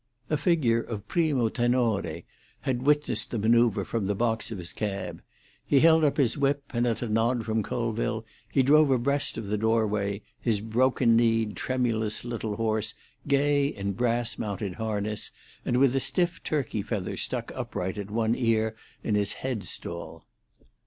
A figure of primo tenore had witnessed the manoeuvre from the box of his cab; he held up his whip, and at a nod from Colville he drove abreast of the doorway, his broken kneed, tremulous little horse gay in brass mounted harness, and with a stiff turkey feather stuck upright at one ear in his head stall.